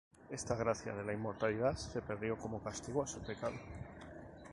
Esta gracia de la inmortalidad se perdió como castigo a su pecado.